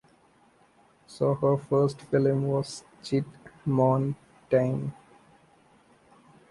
So her first film was "Chit Hmone Tine".